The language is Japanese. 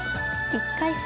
１回戦